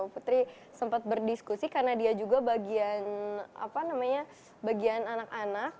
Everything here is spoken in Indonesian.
putri sempat berdiskusi karena dia juga bagian apa namanya bagian anak anak